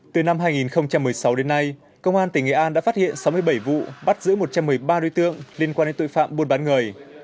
từ năm hai nghìn một mươi sáu đến nay công an tỉnh nghệ an đã phát hiện sáu mươi bảy vụ bắt giữ một trăm một mươi ba đối tượng liên quan đến tội phạm buôn bán người